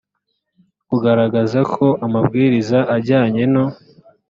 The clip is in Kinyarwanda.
kugaragara ko amabwiriza ajyanye no